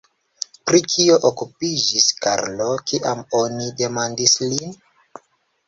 Pri kio okupiĝis Karlo, kiam oni demandis lin?